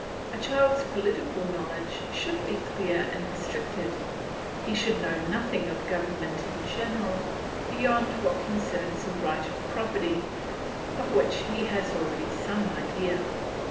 A child's political knowledge should be clear and restricted; he should know nothing of government in general, beyond what concerns the rights of property, of which he has already some idea.